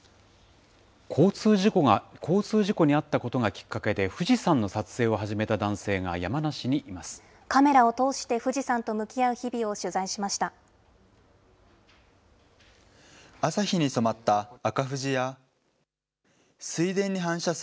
交通事故に遭ったことがきっかけで富士山の撮影を始めた男性が、山梨にいます。